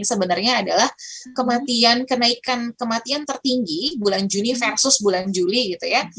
sebenarnya adalah kematian kenaikan kematian tertinggi bulan juni versus bulan juli gitu ya